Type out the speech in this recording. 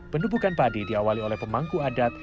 pendudukan padi diawali oleh pemangku adat